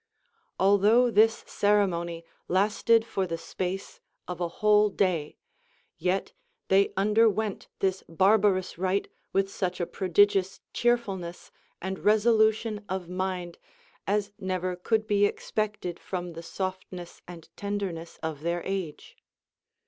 Although this ceremony lasted for the space of a whole day, yet they underwent this barbarous rite with such a prodigious cheer fulness and resolution of mind as never could be expected from the softness and tenderness of their age.